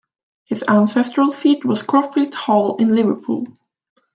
His ancestral seat was Croxteth Hall in Liverpool.